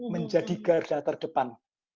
menjadi garda terdepan